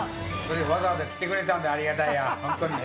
わざわざ来てくれたんでありがたいや、ほんとに。